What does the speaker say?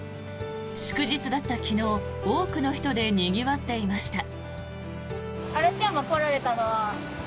祝日だった昨日多くの人でにぎわっていました。